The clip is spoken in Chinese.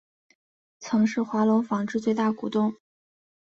曾是华隆纺织最大股东。